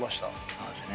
そうっすね。